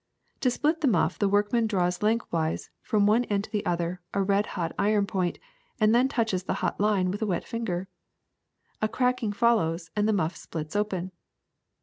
To split this muff the workman draws lengthwise, from one end to the other, a red hot iron point, and then touches the hot line with a wet finger. A cracking follows, and the muff splits open.